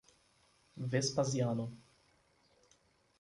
Vespasiano